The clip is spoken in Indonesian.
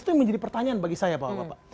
itu yang menjadi pertanyaan bagi saya pak